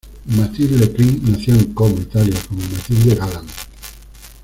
Mathilde Krim, nació en Como, Italia, como Mathilde Galland.